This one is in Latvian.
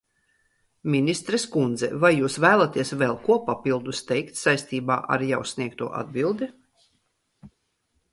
Ministres kundze, vai jūs vēlaties vēl ko papildus teikt saistībā ar jau sniegto atbildi?